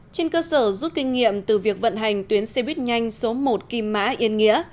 trên cơ sở rút kinh nghiệm từ việc vận hành tuyến xe buýt nhanh số một kim mã yên nghĩa